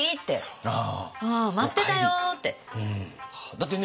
だってね